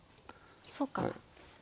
そうか。